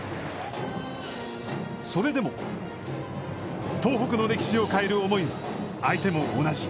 それでも、東北の歴史を変える思いは相手も同じ。